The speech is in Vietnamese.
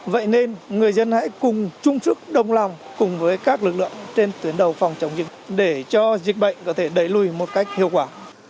vậy nên người dân hãy cùng chung sức đồng lòng cùng với các lực lượng trên tuyến đầu phòng chống dịch để cho dịch bệnh có thể đẩy lùi một cách hiệu quả